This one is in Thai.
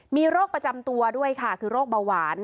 มีโรคประจำตัวด้วยค่ะคือโรคเบาหวาน